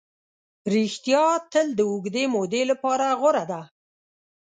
ریښتیا تل د اوږدې مودې لپاره غوره ده.